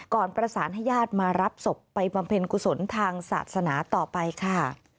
ก่อนประสานให้ญาติมารับศพไปบำเพ็ญกุศลทางศาสนาต่อไปค่ะ